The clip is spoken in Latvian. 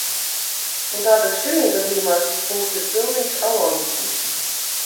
Un tātad šinī gadījumā šis punkts ir pilnīgs aloģisms.